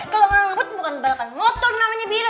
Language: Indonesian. kalo ngebut bukan balapan motor namanya bira